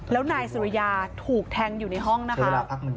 แล้วนายสุริยาถูกแทงอยู่ในห้องนะคะ